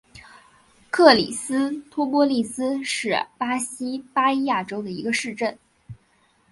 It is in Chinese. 克里斯托波利斯是巴西巴伊亚州的一个市镇。